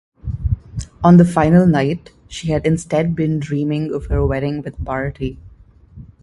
On the final night, she had instead been dreaming of her wedding with Barty.